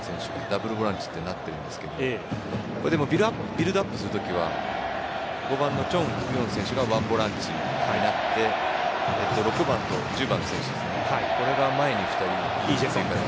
ダブルボランチとなっていますがビルドアップするときは５番のチョン・ウヨン選手が１ボランチになって６番と１０番の選手が前に来る。